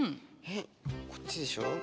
えこっちでしょ。